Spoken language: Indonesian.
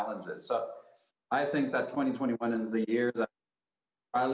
dan melihat apakah itu berhasil